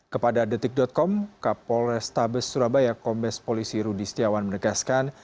kepada detik com kapol restabes surabaya kombes polisi rudi setiawan menegaskan